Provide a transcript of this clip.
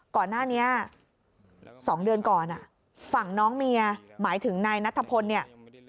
ก่อนหน้านี้๒เดือนก่อนฝั่งน้องเมียหมายถึงนายนัทพลเนี่ย